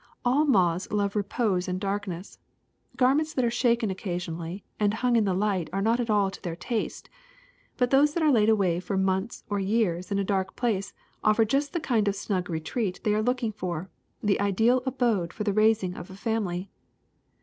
All moths love repose and darkness. Garments that are shaken occasionally and hung in the light are not at all to their taste ; but those that are laid away for months or years in a dark place offer gust the kind of snug retreat they are looking for, the ideal abode for the raising of a family.